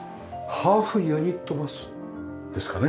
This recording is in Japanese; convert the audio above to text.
ハーフユニットバスですかね？